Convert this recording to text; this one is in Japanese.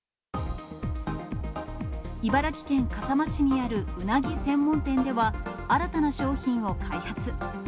茨城県笠間市にあるうなぎ専門店では、新たな商品を開発。